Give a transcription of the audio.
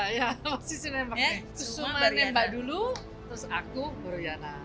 iya posisi nembak kusuma nembak dulu terus aku fajriana